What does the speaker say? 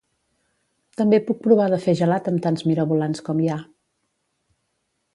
També puc provar de fer gelat amb tants mirabolans com hi ha